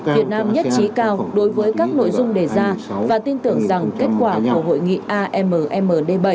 việt nam nhất trí cao đối với các nội dung đề ra và tin tưởng rằng kết quả của hội nghị ammd bảy